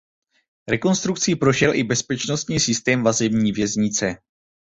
Rekonstrukcí prošel i bezpečnostní systém vazební věznice.